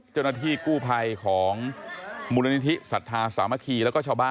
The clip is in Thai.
เจ้าหน้าที่กู้ภัยของมูลนิธิสัทธาสามัคคีแล้วก็ชาวบ้าน